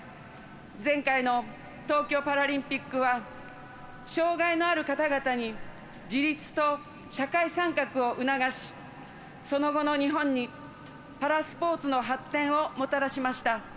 前回の東京パラリンピックは障がいのある方々に自立と社会参画を促しその後の日本にパラスポーツの発展をもたらしました。